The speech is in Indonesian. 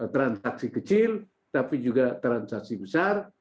transaksi kecil tapi juga transaksi besar